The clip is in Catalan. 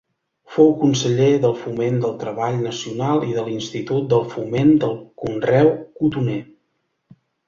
Fou conseller del Foment del Treball Nacional i de l'Institut del Foment del Conreu Cotoner.